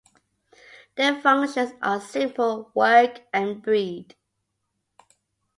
Their functions are simple: work and breed.